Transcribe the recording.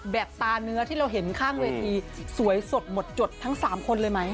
ตาเนื้อที่เราเห็นข้างเวทีสวยสดหมดจดทั้ง๓คนเลยไหม